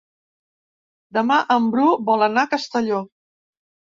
Demà en Bru vol anar a Castelló.